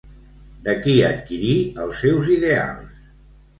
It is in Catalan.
De qui adquirí els seus ideals?